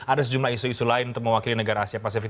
ada sejumlah isu isu lain untuk mewakili negara asia pasifik